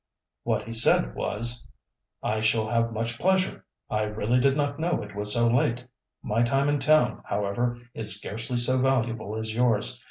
What he said, was: "I shall have much pleasure; I really did not know it was so late. My time in town, however, is scarcely so valuable as yours.